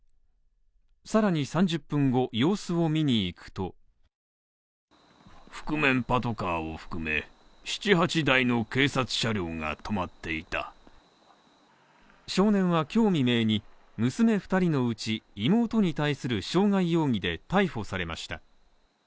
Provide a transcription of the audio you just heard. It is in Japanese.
さらに３０分後、様子を見に行くと少年は今日未明に娘２人のうち、妹に対する傷害容疑で逮捕されました。